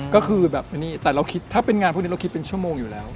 ก็คือแบบอันนี้แต่เราคิดถ้าเป็นงานพวกนี้เราคิดเป็นชั่วโมงอยู่แล้ว